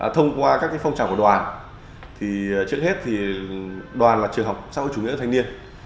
thông qua các phong trào của đoàn trước hết đoàn là trường học xã hội chủ nghĩa thanh niên